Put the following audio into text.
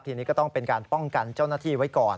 ทีนี้ก็ต้องเป็นการป้องกันเจ้าหน้าที่ไว้ก่อน